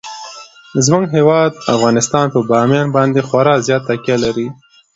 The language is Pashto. زموږ هیواد افغانستان په بامیان باندې خورا زیاته تکیه لري.